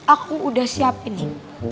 aku udah siap ini